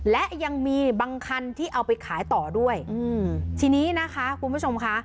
และยังมีบางคันที่เอาไปขายต่อด้วยอืมทีนี้นะคะคุณผู้ชมค่ะ